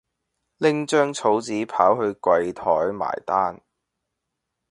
拎張草紙跑去櫃枱埋單